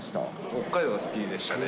北海道は好きでしたね。